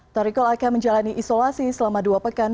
tori kelhok akan menjalani isolasi selama dua pekan